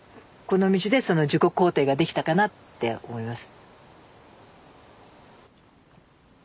この道で自己肯定ができたかなって思います。